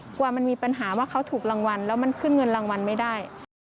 กลัวมันมีปัญหาว่าเขาถูกรางวัลแล้วมันขึ้นเงินรางวัลไม่ได้